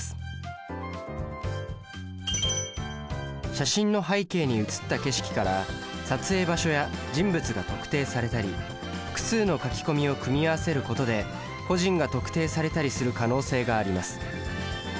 写真の背景に写った景色から撮影場所や人物が特定されたり複数の書き込みを組み合わせることで個人が特定されたりする可能性があります。